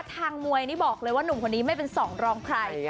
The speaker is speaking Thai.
ทางมวยนี่บอกเลยว่านุ่มคนนี้ไม่เป็นสองรองใคร